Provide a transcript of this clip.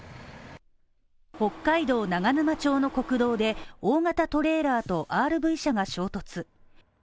北海道長沼町の国道で大型トレーラーとＲＶ車が衝突。